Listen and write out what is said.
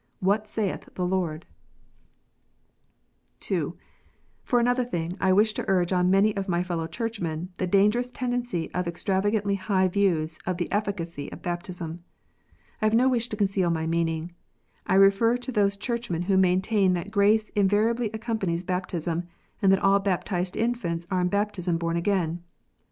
what saith the Lord 1 " (2) For another thing, I wish to urge on many of my fellow Churchmen the dangerous tendency of extravagantly high views of the efficacy of baptism. I have no wish to conceal my meaning. I refer to those Churchmen who maintain that grace in variably accompanies baptism, and that all baptized infants are in baptism born again.